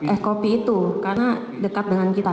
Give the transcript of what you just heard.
es kopi itu karena dekat dengan kita